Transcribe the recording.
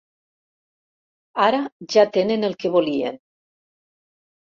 Ara ja tenen el que volien.